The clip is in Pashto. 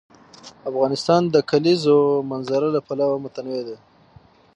افغانستان د د کلیزو منظره له پلوه متنوع دی.